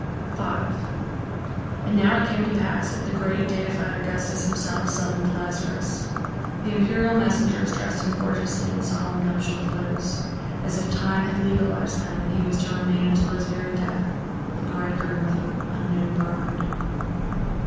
V And now it came to pass that the great, deified Augustus himself summoned Lazarus. The imperial messengers dressed him gorgeously, in solemn nuptial clothes, as if Time had legalized them, and he was to remain until his very death the bridegroom of an unknown bride.